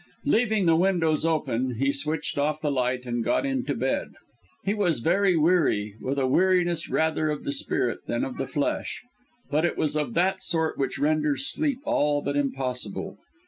Leaving the windows open, he switched off the light and got into bed. He was very weary, with a weariness rather of the spirit than of the flesh, but it was of that sort which renders sleep all but impossible.